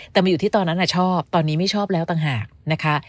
แต่มันอยู่ที่ตอนนั้นชอบตอนนี้ไม่ชอบแล้วต่างหากนะคะ